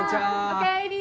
おかえり。